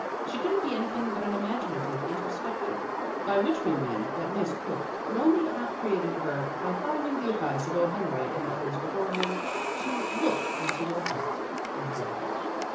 She couldn't be anything but an imagina tive introspection by which we mean that Miss Cooke could only have created her by following the advice of O. Henry and others before him, to "look into your heart and write."